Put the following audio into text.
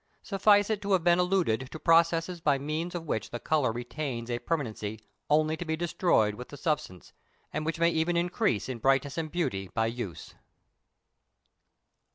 Suffice it to have alluded to processes by means of which the colour retains a permanency only to be destroyed with the substance, and which may even increase in brightness and beauty by use.